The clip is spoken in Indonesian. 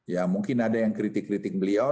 ya mungkin ada yang kritik kritik beliau